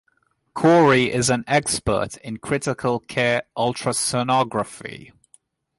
Kory is an expert in critical care ultrasonography.